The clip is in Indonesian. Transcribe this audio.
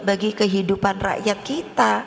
bagi kehidupan rakyat kita